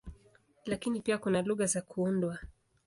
Lakini pia kuna lugha za kuundwa.